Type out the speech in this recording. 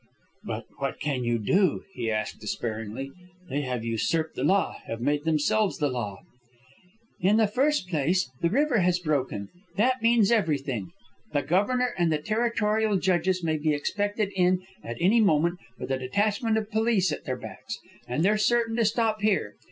"But what can you do?" he asked, despairingly. "They have usurped the law, have made themselves the law." "In the first place, the river has broken. That means everything. The Governor and the territorial judges may be expected in at any moment with a detachment of police at their backs. And they're certain to stop here.